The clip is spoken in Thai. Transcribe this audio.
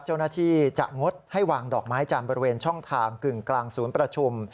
เจ้าหน้าที่จะงดให้วางดอกไม้จันทร์บริเวณช่องทางกึ่งกลางศูนย์ประชุม